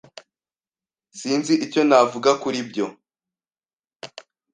Sinzi icyo navuga kuri ibyo.